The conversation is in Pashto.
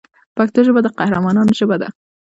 پښتو ژبه د قهرمانانو ژبه ده.